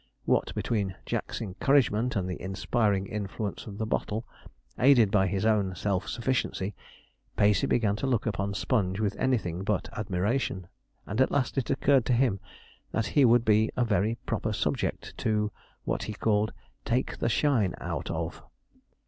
What between Jack's encouragement, and the inspiring influence of the bottle, aided by his own self sufficiency, Pacey began to look upon Sponge with anything but admiration; and at last it occurred to him that he would be a very proper subject to, what he called, 'take the shine out of.'